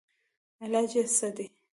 علاج ئې څۀ دے